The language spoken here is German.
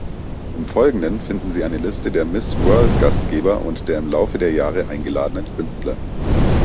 Im Folgenden finden Sie eine Liste der Miss World-Gastgeber und der im Laufe der Jahre eingeladenen Künstler.